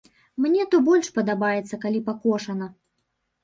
Мне то больш падабаецца, калі пакошана.